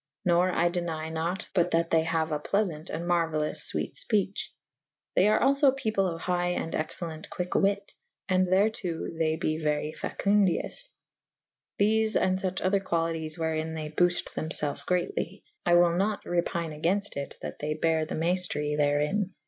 Nor I den3 e nat but that they haue a pleafa«t and marueyloufe fwete fpeche. They are alfo people of hygh and excellent quycke wytte and thereto they be very facundioufe. Thefe and fuche other quali ties wherin they boofte them felfe greatly : I wyll nat repyne agaynft it that they bere the mayftry therin.